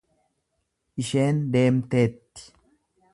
Isheen deemteetti.